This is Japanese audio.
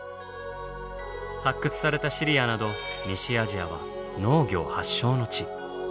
発掘されたシリアなど西アジアは農業発祥の地。